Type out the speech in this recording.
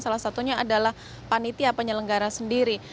salah satunya adalah panitia penyelenggara sendiri